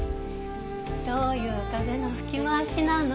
どういう風の吹き回しなの？